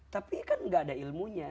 tapi kan gak ada ilmunya